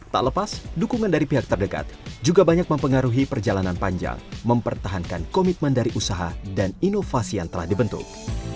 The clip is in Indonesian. tak lepas dukungan dari pihak terdekat juga banyak mempengaruhi perjalanan panjang mempertahankan komitmen dari usaha dan inovasi yang telah dibentuk